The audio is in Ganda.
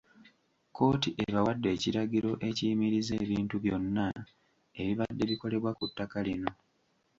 Kkooti ebawadde ekiragiro ekiyimiriza ebintu byonna ebibadde bikolebwa ku ttaka lino